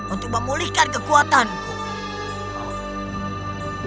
untuk memulihkan kekuatanku